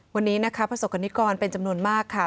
วันนี้นะคะประสบกรณิกรเป็นจำนวนมากค่ะ